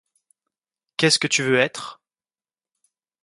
Qu'est-ce que tu veux être?